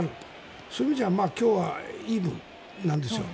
そういう意味では今日はイーブンなんですよ。